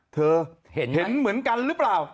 เธอเห็นเหมือนกันหรือเปล่า